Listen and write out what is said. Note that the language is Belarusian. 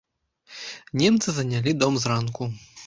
Немцы занялі дом зранку.